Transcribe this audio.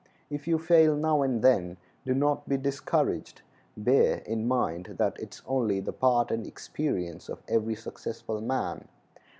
If you fail now and then, do not be discouraged; bear in mind that it is only the part and experience of every successful man.